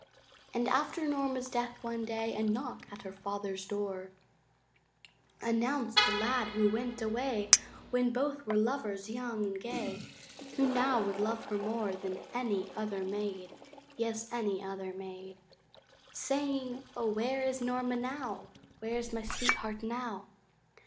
And after Norma's death, one day A knock at her father's door Announced the lad who went away When both were lovers young and gay, Who now would love her more Than any other maid, Yes, any other maid, Saying, O where is Norma now, Where is my sweetheart now?